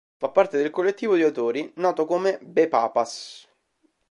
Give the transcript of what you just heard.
Fa parte del collettivo di autori noto come Be-Papas.